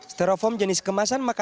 sterofom jenis kemasan makanan